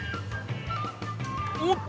おっと！